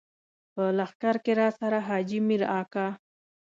په لښکر کې راسره حاجي مير اکا.